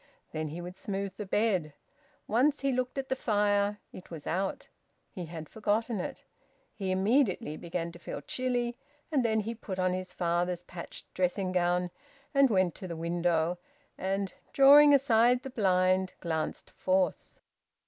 Then he would smooth the bed. Once he looked at the fire. It was out. He had forgotten it. He immediately began to feel chilly, and then he put on his father's patched dressing gown and went to the window, and, drawing aside the blind, glanced forth.